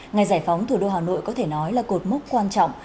ngày giải phóng thủ đô hà nội có thể nói là cột mốc quan trọng